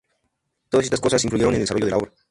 Todas estas cosas influyeron en el desarrollo de la obra.